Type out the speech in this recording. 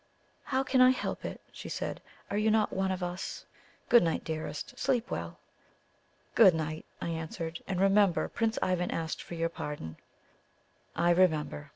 "How can I help it?" she said. "Are you not one of us? Good night, dearest! Sleep well!" "Good night!" I answered. "And remember Prince Ivan asked for your pardon." "I remember!"